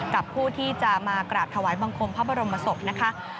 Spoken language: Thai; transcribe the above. กับผู้ที่จะมากราบถวายบังคมพระบรมศพนะคะ